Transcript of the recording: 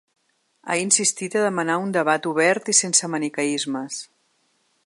Ha insistit a demanar un debat obert i sense maniqueismes.